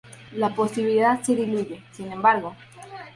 La posibilidad se diluye, sin embargo.